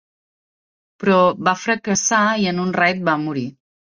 Però va fracassar i en un raid va morir.